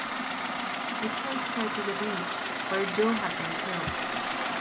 He takes her to the beach where Joe had been killed.